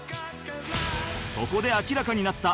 そこで明らかになった